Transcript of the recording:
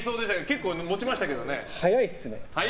結構持ちましたけどね。